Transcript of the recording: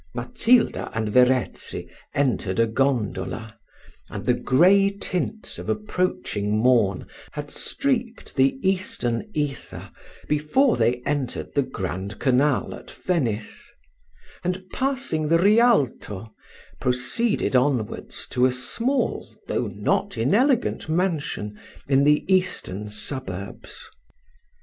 Matilda and Verezzi entered a gondola, and the grey tints of approaching morn had streaked the eastern ether, before they entered the grand canal at Venice; and passing the Rialto, proceeded onwards to a small, though not inelegant mansion, in the eastern suburbs.